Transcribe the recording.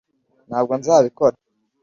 ntabwo nzabikora